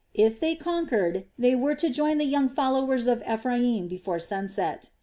If they conquered, they were to join the young followers of Ephraim before sunset.